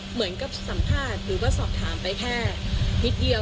เหมือนกับสัมภาษณ์หรือว่าสอบถามไปแค่นิดเดียว